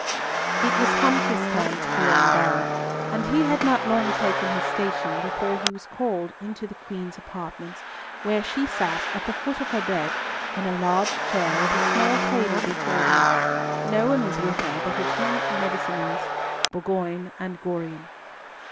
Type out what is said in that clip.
It was Humfrey's turn to be on guard, and he had not long taken his station before he was called into the Queen's apartments, where she sat at the foot of her bed, in a large chair with a small table before her. No one was with her but her two mediciners, Bourgoin and Gorion.